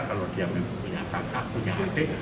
kalau dia memang punya kakak punya adik